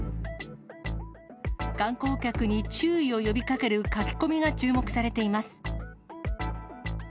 観光客に注意を呼びかける書き込みが注目されています。